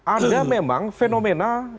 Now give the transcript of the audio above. ada memang fenomena